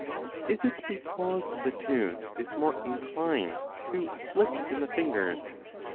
Is it because the tooth is more inclined to slip in the fingers